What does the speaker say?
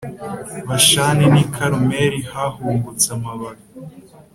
Bashani n i Karumeli hahungutse amababi